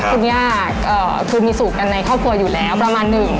คุณย่าก็คือมีสูตรกันในครอบครัวอยู่แล้วประมาณหนึ่ง